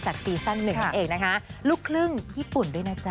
จากซีซั่น๑อันเอกนะคะลูกครึ่งญี่ปุ่นด้วยนะจ๊ะ